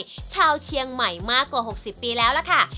เป็นชาวเชียงใหม่มากกว่า๖๐ปีแล้วล่ะค่ะ